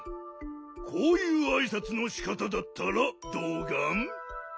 こういうあいさつのしかただったらどうガン？